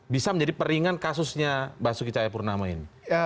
bisa menjadi peringan kasusnya basuki cahaya purnama ini